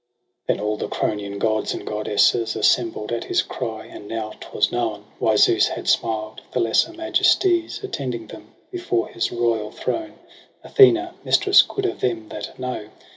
17 Then all the Kronian gods and goddesses Assembl'd at his cry, — and now 'twas known Why Zeus had smiled, — the lesser majesties Attending them before his royal throne. Athena, mistress good of them that know.